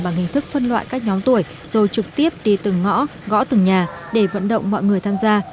bằng hình thức phân loại các nhóm tuổi rồi trực tiếp đi từng ngõ gõ từng nhà để vận động mọi người tham gia